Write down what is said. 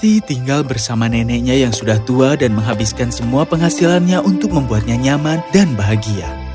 roti tinggal bersama neneknya yang sudah tua dan menghabiskan semua penghasilannya untuk membuatnya nyaman dan bahagia